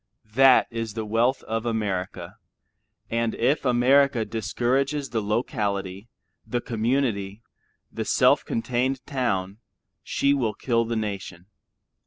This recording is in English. That is the wealth of America, and if America discourages the locality, the community, the self contained town, she will kill the nation.